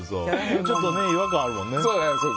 ちょっと違和感あるもんね。